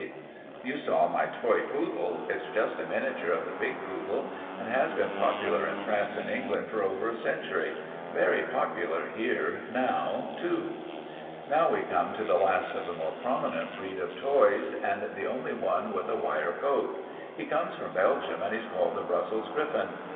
You saw my toy poodle. It's just a miniature of the big poodle and has been popular in France and England for over a century. Very popular here now, too. "Now we come to the last of the more prominent breeds of toys, and the only one with a wire coat. He comes from Belgium and he's called the Brussels griffon.